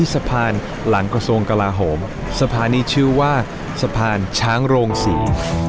สะพานหลังกระทรวงกลาโหมสะพานนี้ชื่อว่าสะพานช้างโรงศรี